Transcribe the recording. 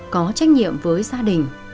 có trách nhiệm với gia đình